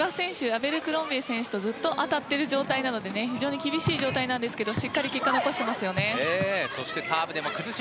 アベルクロンビエ選手とずっと当たっている状態なので厳しい状態ですがしっかり結果を残してますよね。